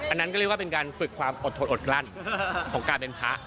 อันนั้นก็เรียกว่าเป็นการฝึกความอดทนอดกลั้นของการเป็นพระ